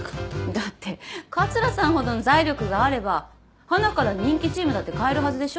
だって桂さんほどの財力があればはなから人気チームだって買えるはずでしょ？